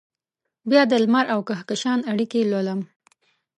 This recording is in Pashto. بیا دلمر اوکهکشان اړیکې لولم